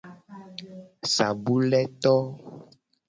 Sabule to.